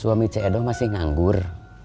suami seyado masih nganggur